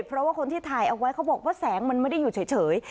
เพราะว่าคนที่ถ่ายเอาไว้เขาบอกว่าแสงมันไม่ได้อยู่เฉย